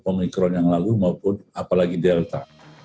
omikron yang lalu maupun apalagi delta